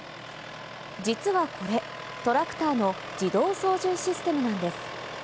実はこれ、トラクターの自動操縦システムなんです。